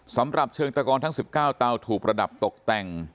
สำหรับเชิงตะกอนทั้ง๑๙เตาถูกระดับตกแต่ง